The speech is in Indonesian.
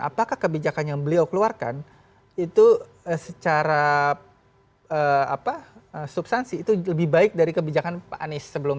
apakah kebijakan yang beliau keluarkan itu secara substansi itu lebih baik dari kebijakan pak anies sebelumnya